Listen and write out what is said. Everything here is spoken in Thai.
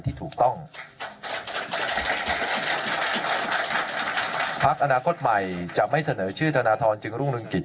ที่ถูกต้องพักอนาคตใหม่จะไม่เสนอชื่อธนทรจึงรุ่งเรืองกิจ